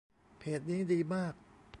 เพจนี้ดีมาก